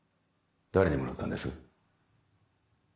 誰にもらったんです？